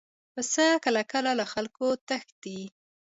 پسه کله کله له خلکو تښتي.